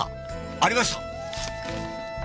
ありました！